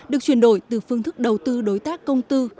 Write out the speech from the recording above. được chuyển đổi từ phương thức đầu tư đối tác công tư